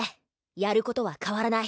やる事は変わらない。